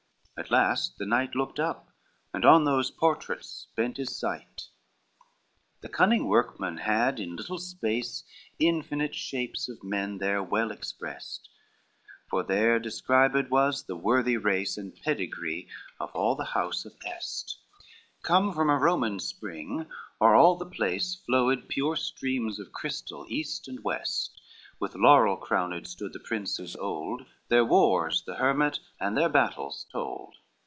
At last the knight Looked up, and on those portraits bent his sight. LXVI The cunning workman had in little space Infinite shapes of men there well expressed, For there described was the worthy race And pedigree of all of the house of Est: Come from a Roman spring o'er all the place Flowed pure streams of crystals east and west, With laurel crowned stood the princes old, Their wars the hermit and their battles told.